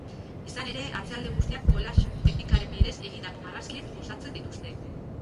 Izan ere, atzealde guztiak collage teknikaren bidez egindako marrazkiek osatzen dituzte.